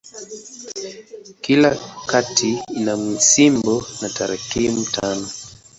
Kila kata ina msimbo wa tarakimu tano.